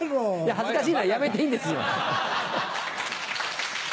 恥ずかしいならやめていいんですよ。